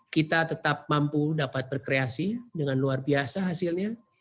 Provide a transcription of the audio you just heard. kita tetap mampu dapat berkreasi dengan luar biasa hasilnya